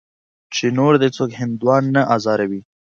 چې نور دې څوک هندوان نه ازاروي.